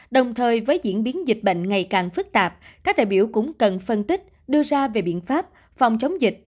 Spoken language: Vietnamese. đồng thời với diễn biến dịch bệnh ngày càng phức tạp các đại biểu cũng cần phân tích đưa ra về biện pháp phòng chống dịch